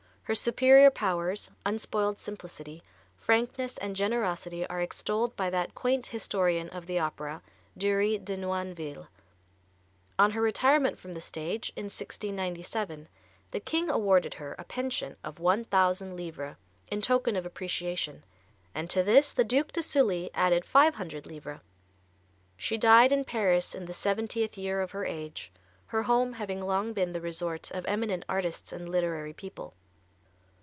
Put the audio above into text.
Her superior powers, unspoiled simplicity, frankness and generosity are extolled by that quaint historian of the opera, Dury de Noinville. On her retirement from the stage, in 1697, the king awarded her a pension of 1,000 livres in token of appreciation, and to this the Duc de Sully added 500 livres. She died in Paris in the seventieth year of her age, her home having long been the resort of eminent artists and literary people.